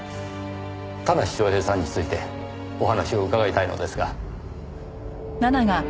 田無昌平さんについてお話を伺いたいのですが。